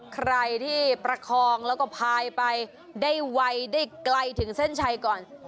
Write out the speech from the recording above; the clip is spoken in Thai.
ใครที่ประคองแล้วก็พายไปได้ไวได้ไกลถึงเส้นชัยก่อน